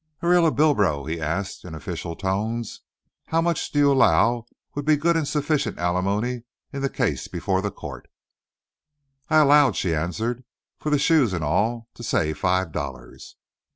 "Ariela Bilbro," he asked, in official tones, "how much did you 'low would be good and sufficient ali money in the case befo' the co't." "I 'lowed," she answered, "fur the shoes and all, to say five dollars.